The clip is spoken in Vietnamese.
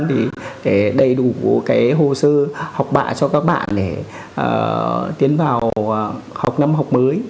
để đầy đủ cái hồ sơ học bạ cho các bạn để tiến vào học năm học mới